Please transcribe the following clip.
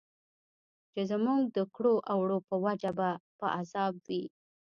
چې زموږ د کړو او وړو په وجه به په عذاب وي.